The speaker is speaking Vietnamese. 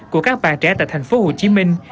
của các bạn trẻ tại thành phố hồ chí minh